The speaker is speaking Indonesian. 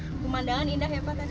pemandangan indah ya pak tadi